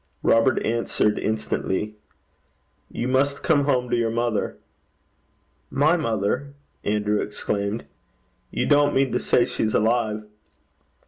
Robert answered instantly, 'You must come home to your mother.' 'My mother!' Andrew exclaimed. 'You don't mean to say she's alive?'